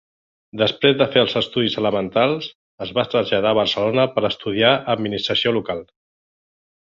Després de fer els estudis elementals, es va traslladar a Barcelona per estudiar administració local.